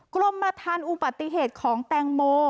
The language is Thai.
กรมธรรมอุปติเหตุของแตงโม